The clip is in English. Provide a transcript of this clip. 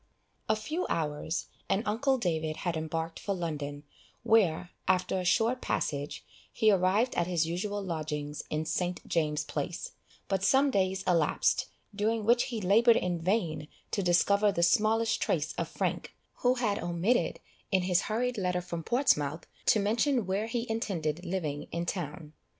A few hours, and uncle David had embarked for London, where, after a short passage, he arrived at his usual lodgings in St. James' Place; but some days elapsed, during which he laboured in vain to discover the smallest trace of Frank, who had omitted, in his hurried letter from Portsmouth, to mention where he intended living in town.